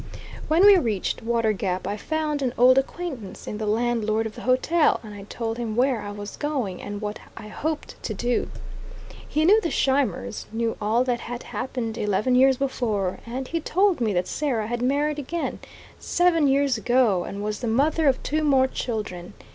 When we reached Water Gap I found an old acquaintance in the landlord of the hotel, and I told him where I was going, and what I hoped to do. He knew the Scheimers, knew all that had happened eleven years before, and he told me that Sarah had married again, seven years ago, and was the mother of two more children.